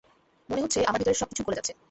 মনে হচ্ছে, আমার ভেতরের সবকিছু গলে যাচ্ছে!